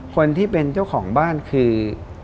คนที่เป็นเจ้าของบ้านคือ